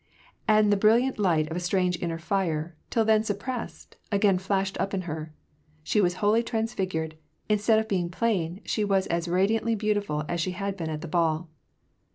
And the brilliant light of a strange inner fire, till then suppressed, again flashed up in her. She was wholly trans figured : instead of being plain, she was as radiantly beauti ful as she had been at the ball.